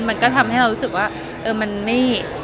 มันก็ทำให้เรารู้สึกว่าเออมันไม่